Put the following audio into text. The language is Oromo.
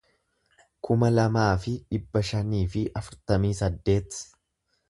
kuma lamaa fi dhibba shanii fi afurtamii saddeet